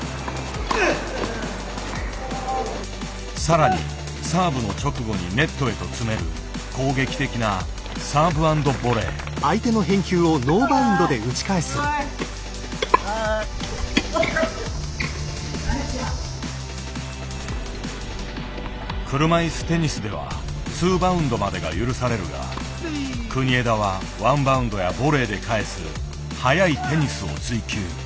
更にサーブの直後にネットへと詰める攻撃的な車いすテニスでは２バウンドまでが許されるが国枝は１バウンドやボレーで返す速いテニスを追究。